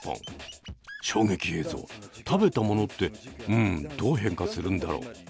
衝撃映像食べたものってうんどう変化するんだろう。